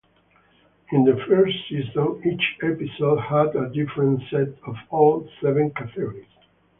In the first season, each episode had a different set of all seven categories.